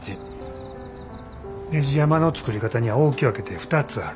ねじ山の作り方には大き分けて２つある。